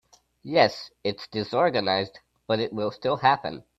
Yes, it’s disorganized but it will still happen.